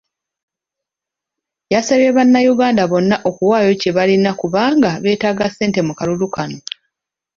Yasabye bannayuganda bonna okuwaayo kyebalina kubanga beetaaga ssente mu kalulu kano.